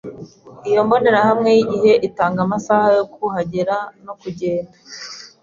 Iyo mbonerahamwe yigihe itanga amasaha yo kuhagera no kugenda.